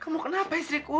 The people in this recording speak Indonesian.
kamu kenapa istriku